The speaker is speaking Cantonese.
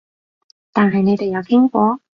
但係你哋有傾過？